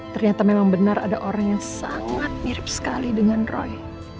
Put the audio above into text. ternyata memang benar ada orang yang sangat mirip sekali dengan roy